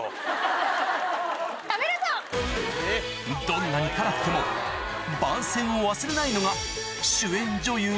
どんなに辛くても番宣を忘れないのが・